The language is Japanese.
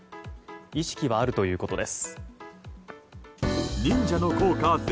意識はあるということです。